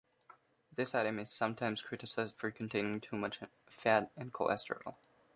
This item is sometimes criticised for containing too much fat and cholesterol.